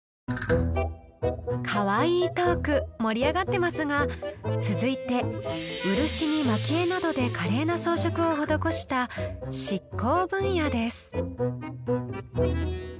かわいいトーク盛り上がってますが続いて漆に蒔絵などで華麗な装飾を施した「漆工」分野です。